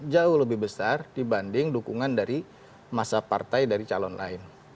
jauh lebih besar dibanding dukungan dari masa partai dari calon lain